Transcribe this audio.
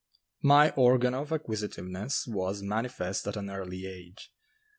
My organ of "acquisitiveness" was manifest at an early age.